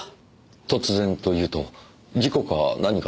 突然というと事故か何かでしょうか？